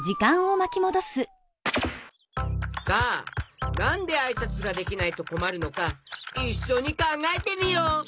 さあなんであいさつができないとこまるのかいっしょにかんがえてみよう！